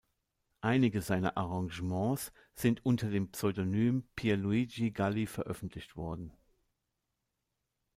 Einige seiner Arrangements sind unter dem Pseudonym "Pierluigi Galli" veröffentlicht worden.